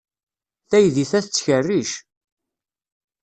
Taydit-a tettkerric.